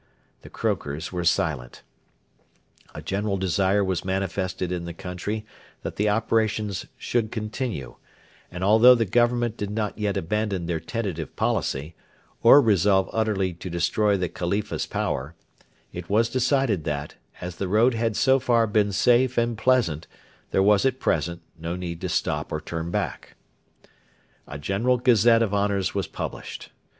The croakers were silent. A general desire was manifested in the country that the operations should continue, and although the Government did not yet abandon their tentative policy, or resolve utterly to destroy the Khalifa's power, it was decided that, as the road had so far been safe and pleasant, there was at present no need to stop or turn back. A generous gazette of honours was published.